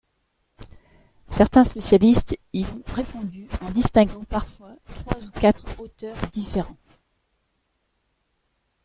Certains spécialistes y ont répondu en distinguant parfois trois ou quatre auteurs différents.